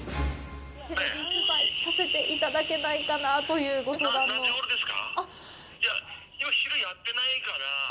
テレビ取材させていただけないかなというご相談です。